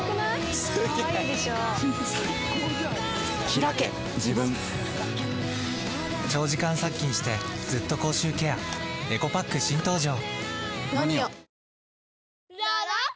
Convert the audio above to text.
ひらけ自分長時間殺菌してずっと口臭ケアエコパック新登場！